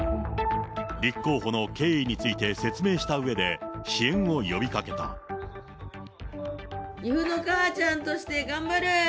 立候補の経緯について説明したうえで、岐阜の母ちゃんとして頑張る。